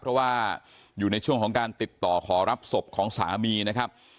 เพราะว่าอยู่ในช่วงของการติดต่อขอรับศพของสามีนะครับ